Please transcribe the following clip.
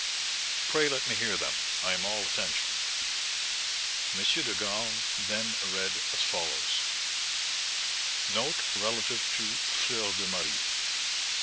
"Pray let me hear them; I am all attention." M. de Graün then read as follows: "_Note relative to Fleur de Marie.